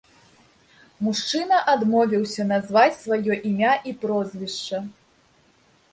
Мужчына адмовіўся назваць свае імя і прозвішча.